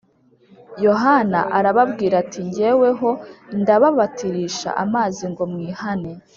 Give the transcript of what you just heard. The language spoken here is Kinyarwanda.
Yohana arababwira ati ‘‘Jyeweho ndababatirisha amazi ngo mwihane